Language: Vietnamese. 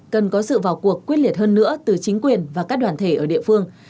cần có sự vào cuộc quyết liệt hơn nữa từ chính quyền và các đoàn thể ở địa phương